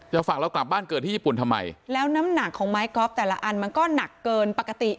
ฝากเรากลับบ้านเกิดที่ญี่ปุ่นทำไมแล้วน้ำหนักของไม้ก๊อฟแต่ละอันมันก็หนักเกินปกติ